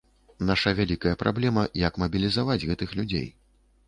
Наша вялікая праблема, як мабілізаваць гэтых людзей.